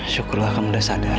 syukurlah kamu udah sadar